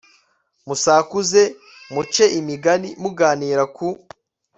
musakuze, muce imigani muganira ku